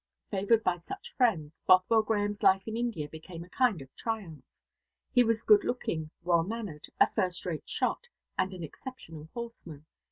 Favoured by such friends, Bothwell Grahame's life in India became a kind of triumph. He was good looking, well mannered, a first rate shot, and an exceptional horseman.